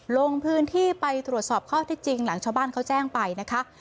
ลงพื้นที่ไปตรวจสอบข้อที่จริงหลังชาวบ้านเขาแจ้งไปนะคะ